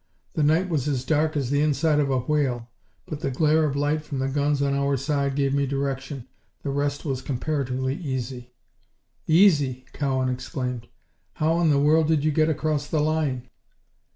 "The night was as dark as the inside of a whale, but the glare of light from the guns on our side gave me direction. The rest was comparatively easy." "Easy!" Cowan exclaimed. "How in the world did you get across the line?"